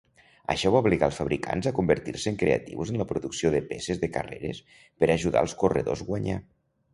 Això va obligar els fabricants a convertir-se en creatius en la producció de peces de carreres per ajudar els corredors guanyar.